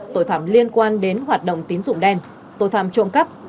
tội phạm liên quan đến hoạt động tín dụng đen tội phạm trộm cắp